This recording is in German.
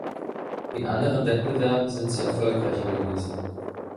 In anderen Wettbewerben sind sie erfolgreicher gewesen.